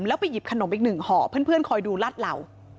แล้วไปหยิบขนมอีกหนึ่งห่อเพื่อนคอยดูลาดเหล่า